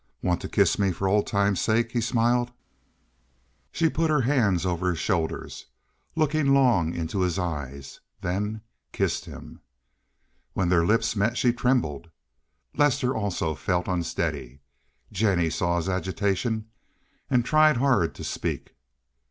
"Want to kiss me for old times' sake?" he smiled. She put her hands over his shoulders, looked long into his eyes, then kissed him. When their lips met she trembled. Lester also felt unsteady. Jennie saw his agitation, and tried hard to speak.